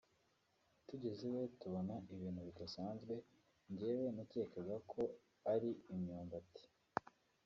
tugeze iwe tubonayo ibintu bidasanzwe njyewe nakekaga ko ari imyumbati